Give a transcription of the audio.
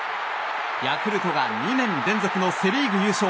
ヤクルトが２年連続のセ・リーグ優勝。